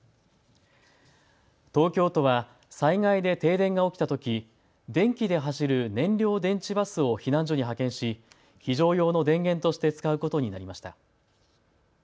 東京都は災害で停電が起きたとき電気で走る燃料電池バスを避難所に派遣し、非常用の電源として使うことになりました。